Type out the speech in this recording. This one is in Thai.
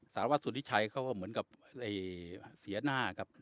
สารวัติสุธิไชยเขาเหมือนกับศียนานะครับ